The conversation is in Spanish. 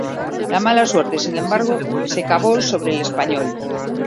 La mala suerte sin embargo, se cebó sobre el español.